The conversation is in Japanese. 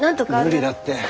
無理だって。